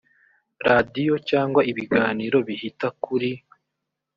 radiyo cyangwa ibiganiro bihita kuri